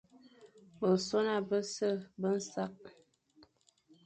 Besoña bese be nsakh,